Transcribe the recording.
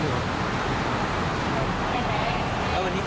มันก็ยังอยากถามว่าทำไมต้องเป็นลูกของด้วย